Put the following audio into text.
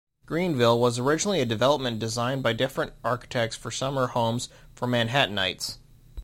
Greenville was originally a development designed by different architects for summer homes for Manhattanites.